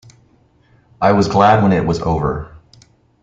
I was glad when it was over.